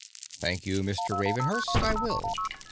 "Thank you, Mr. Ravenhurst, I will."